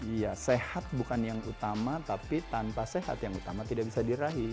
iya sehat bukan yang utama tapi tanpa sehat yang utama tidak bisa dirahi